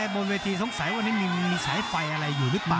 บนเวทีสงสัยวันนี้มีสายไฟอะไรอยู่หรือเปล่า